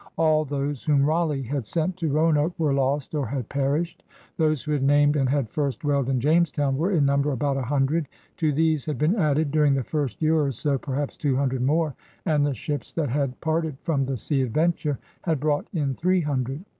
All, those whom Raleigh had sent to Roanoke were lost or had perished. Those who had named and had first dwelled in James town were in niunber about a himdred. To these • had been added, during the first year or so, per haps two hundred more. And the ships that had parted from the Sea Adventure had brought in three hundred.